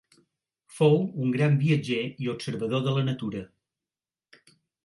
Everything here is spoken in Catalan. Fou un gran viatger i observador de la natura.